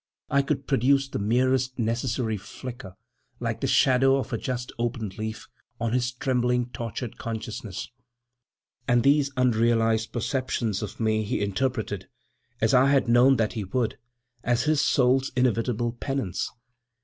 I could produce the merest necessary flicker, like the shadow of a just opened leaf, on his trembling, tortured consciousness. And these unrealized perceptions of me he interpreted, as I had known that he would, as his soul's inevitable penance.